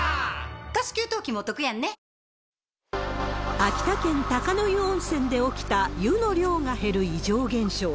秋田県鷹の湯温泉て起きた湯の量が減る異常現象。